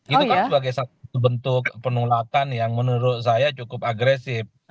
itu kan sebagai satu bentuk penolakan yang menurut saya cukup agresif